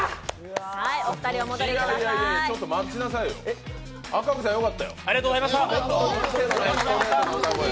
ちょっと待ちなさいよ、赤荻さんよかったよ。